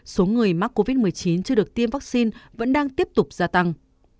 số người mắc covid một mươi chín chưa được tiêm vaccine vẫn đang tiếp tục gia tăng